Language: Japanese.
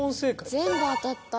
全部当たった。